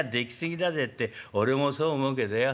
って俺もそう思うけどよ